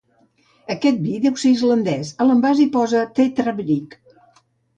Aquest vi deu ser islandès, a l'envàs hi posa 'Tetrabrik'.